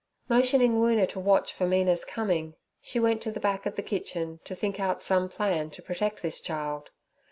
Motioning Woona to watch for Mina's coming, she went to the back of the kitchen, to think out some plan to protect this child.